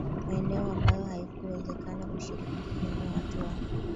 maeneo ambayo haikuwezekana kushiriki kilimo Watu wa